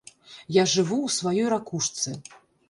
Я жыву ў сваёй ракушцы.